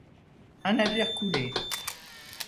Un navire coulé.